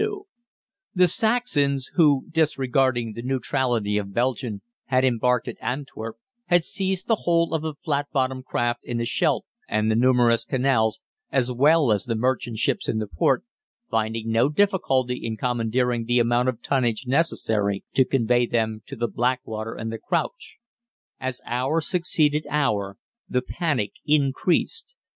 [Illustration: GERMANY'S POINTS OF EMBARKATION] The Saxons who, disregarding the neutrality of Belgium, had embarked at Antwerp, had seized the whole of the flat bottomed craft in the Scheldt and the numerous canals, as well as the merchant ships in the port, finding no difficulty in commandeering the amount of tonnage necessary to convey them to the Blackwater and the Crouch. As hour succeeded hour the panic increased.